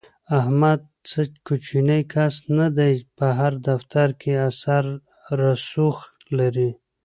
احمد څه کوچنی کس نه دی، په هر دفتر کې اثر رسوخ لري.